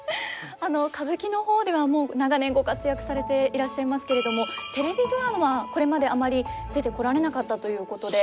歌舞伎の方ではもう長年ご活躍されていらっしゃいますけれどもテレビドラマこれまであまり出てこられなかったということで。